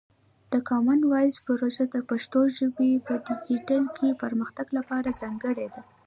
د کامن وایس پروژه د پښتو ژبې په ډیجیټل کې پرمختګ لپاره ځانګړې ده.